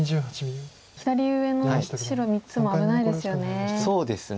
左上の白３つも危ないですよね。